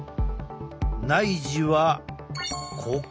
内耳はここ。